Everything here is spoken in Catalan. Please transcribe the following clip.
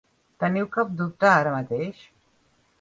Teniu cap dubte ara mateix?